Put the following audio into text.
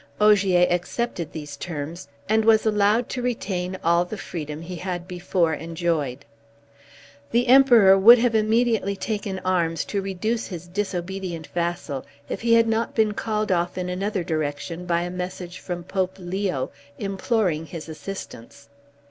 Ogier accepted these terms, and was allowed to retain all the freedom he had before enjoyed. The Emperor would have immediately taken arms to reduce his disobedient vassal, if he had not been called off in another direction by a message from Pope Leo, imploring his assistance.